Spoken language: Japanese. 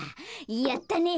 やったね。